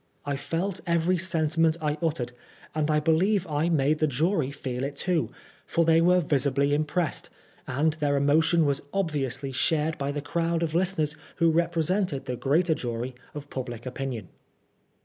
I felt every sentiment I uttered, and I believe I made the jury feel it too, for they were visibly impressed, and their emfotion was obviously shared by the crowd of listeners who represented the greater jury of public opinion.